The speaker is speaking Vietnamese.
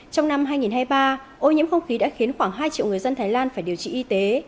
trong năm hai nghìn hai mươi ba ô nhiễm không khí đã khiến khoảng hai triệu người dân thái lan phải điều trị y tế